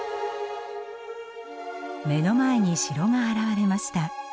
目の前に城が現れました。